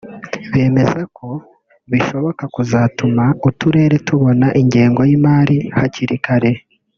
bemeza ko bishobora kuzatuma uturere tubona ingengo y’imari hakiri kare